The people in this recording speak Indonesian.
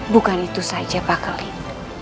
bukan itu saja pak kelik